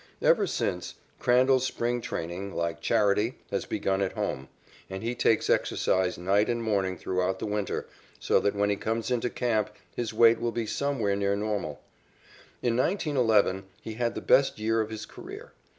Ever since, Crandall's spring training, like charity, has begun at home, and he takes exercise night and morning throughout the winter, so that when he comes into camp his weight will be somewhere near normal. In 1911 he had the best year of his career.